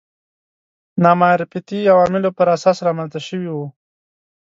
نامعرفتي عواملو پر اساس رامنځته شوي وو